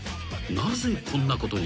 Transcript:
なぜこんなことに？］